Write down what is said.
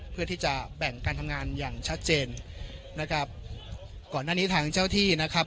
เพื่อที่จะแบ่งการทำงานอย่างชัดเจนนะครับก่อนหน้านี้ทางเจ้าที่นะครับ